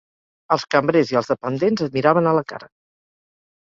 Els cambrers i els dependents et miraven a la cara